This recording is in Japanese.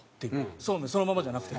そうめんそのままじゃなくて。